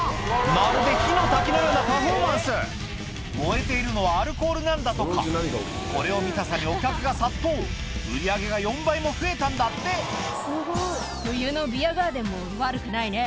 まるで火の滝のようなパフォーマンス燃えているのはアルコールなんだとかこれを見たさにお客が殺到売り上げが４倍も増えたんだって「冬のビアガーデンも悪くないね」